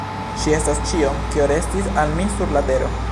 Ŝi estas ĉio, kio restis al mi sur la tero.